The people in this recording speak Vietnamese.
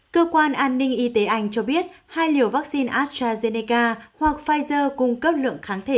cơ quan an ninh y tế anh cho biết hai liều vaccine astrazeneca hoặc pfizer cung cấp lượng kháng thể